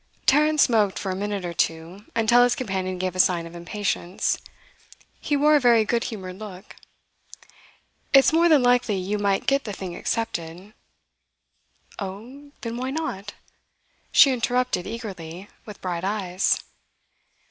Tarrant smoked for a minute or two, until his companion gave a sign of impatience. He wore a very good humoured look. 'It's more than likely you might get the thing accepted ' 'Oh, then why not?' she interrupted eagerly, with bright eyes.